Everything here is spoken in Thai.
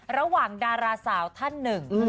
ระหว่างดาราสาวท่านหนึ่ง